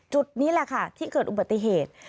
จุดนี้แหละค่ะที่เกิดอุบัติเหตุ